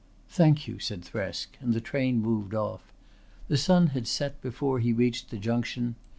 "Thank you," said Thresk, and the train moved off. The sun had set before he reached the junction.